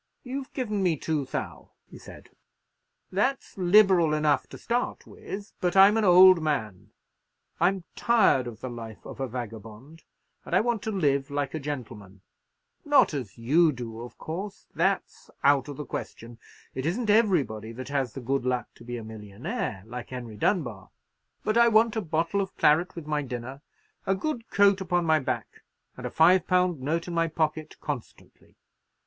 "You've given me two thou'," he said; "that's liberal enough to start with; but I'm an old man; I'm tired of the life of a vagabond, and I want to live like a gentleman;—not as you do, of course; that's out of the question; it isn't everybody that has the good luck to be a millionaire, like Henry Dunbar; but I want a bottle of claret with my dinner, a good coat upon my back, and a five pound note in my pocket constantly.